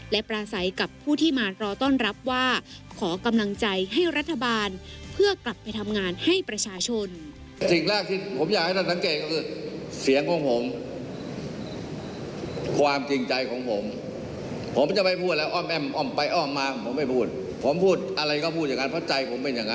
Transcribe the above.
และปราศัยกับผู้ที่มารอต้อนรับว่าขอกำลังใจให้รัฐบาลเพื่อกลับไปทำงานให้ประชาชน